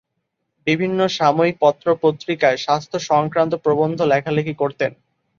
বিভিন্ন সাময়িক পত্র পত্রিকায় স্বাস্থ্য সংক্রান্ত প্রবন্ধ লেখালেখি করতেন।